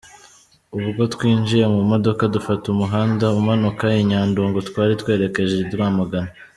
Ubwo twinjiye mu modoka, dufata umuhanda umanuka i Nyandungu, twari twerekeje i Rwamagana.